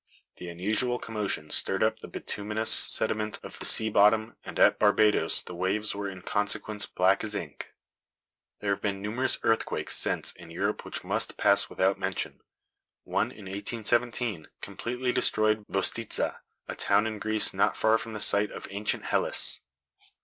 The unusual commotion stirred up the bituminous sediment of the sea bottom, and at Barbadoes the waves were in consequence black as ink. There have been numerous earthquakes since in Europe which must pass without mention. One in 1817 completely destroyed Vostitza, a town in Greece not far from the site of ancient Helice.